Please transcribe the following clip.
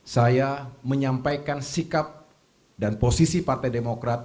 saya menyampaikan sikap dan posisi partai demokrat